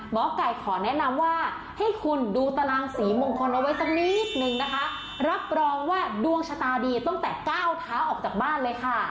หมอไก่ขอแนะนำว่าให้คุณดูตารางสีมงคลเอาไว้สักนิดนึงนะคะรับรองว่าดวงชะตาดีตั้งแต่ก้าวเท้าออกจากบ้านเลยค่ะ